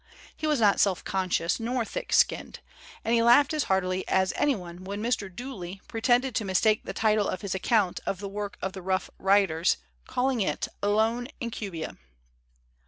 He was not self conscious nor thin skinned ; and he laughed as heartily as anyone when Mr. Dooley pretended to mistake the title of his account of the work of the Rough Riders, call ing it l Alone in Cubia.'